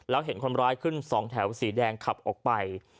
แล้วเห็นคนร้ายขึ้น๒แถวสีแดงขับออกไป